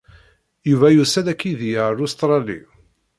Yuba yussa-d akked-i ar Lustṛali.